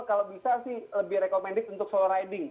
kalau bisa sih lebih recommended untuk flow riding